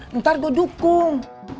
ntar gue dukung